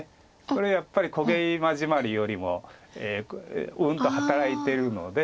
これやっぱり小ゲイマジマリよりもうんと働いてるので。